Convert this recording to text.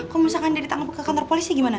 kalau misalkan dia ditangkap ke kantor polisi gimana